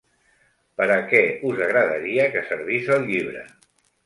Per a què us agradaria que servís el llibre?